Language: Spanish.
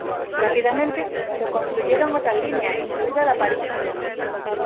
Rápidamente se construyeron otras líneas, incluida la París-Toulon.